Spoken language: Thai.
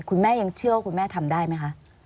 คุณแม่ยังเชื่อว่าคุณแม่ทำได้ไหมคะ